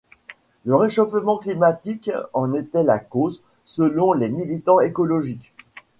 Le réchauffement climatique en était la cause selon les militants écologistes.